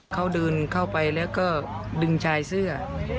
เขาเดินเข้าไปแล้วก็ดึงชายเสื้อ